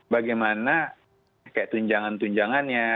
bagaimana kayak tunjangan tunjangannya